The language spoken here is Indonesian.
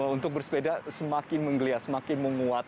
untuk bersepeda semakin menggeliat semakin menguat